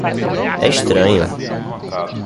É estranho.